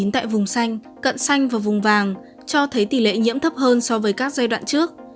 tại vùng xanh cận xanh và vùng vàng cho thấy tỷ lệ nhiễm thấp hơn so với các giai đoạn trước